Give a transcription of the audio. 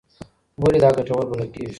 ولې دا ګټور بلل کېږي؟